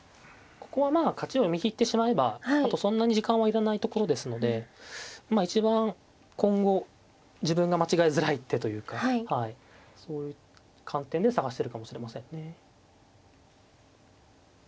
ここはまあ勝ちを読み切ってしまえばあとそんなに時間はいらないところですのでまあ一番今後自分が間違いづらい手というかそういう観点で探してるかもしれませんね。